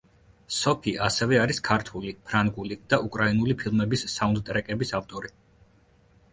სოფი ასევე არის ქართული, ფრანგული და უკრაინული ფილმების საუნდტრეკების ავტორი.